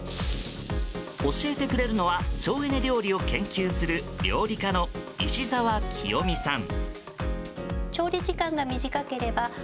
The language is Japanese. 教えてくれるのは省エネ料理を研究する料理家の石澤清美さん。